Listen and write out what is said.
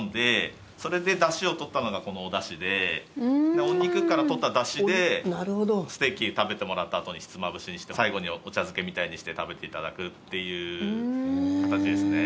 お肉から取っただしでステーキ食べてもらった後にひつまぶしにして最後にお茶漬けみたいにして食べていただくっていう形ですね。